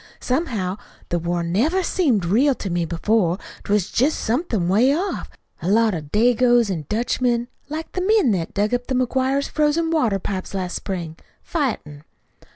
"Somehow, the war never seemed real to me before. 'T was jest somethin' 'way off a lot of Dagoes an' Dutchmen, like the men what dug up the McGuires' frozen water pipes last spring, fightin'.